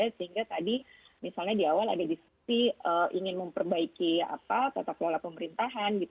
sehingga tadi misalnya di awal ada diskusi ingin memperbaiki tata kelola pemerintahan